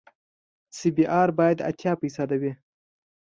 سی بي ار باید اتیا فیصده وي